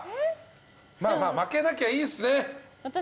まあ負けなきゃいいっすね。